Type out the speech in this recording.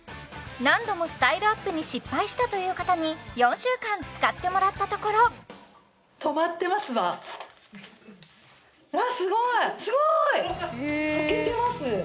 何度もスタイルアップに失敗したという方に４週間使ってもらったところあすごいすごい！